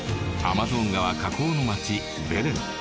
アマゾン川河口の町ベレン